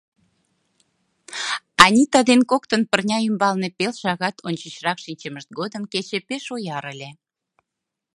Анита ден коктын пырня ӱмбалне пел шагат ончычрак шинчымышт годым кече пеш ояр ыле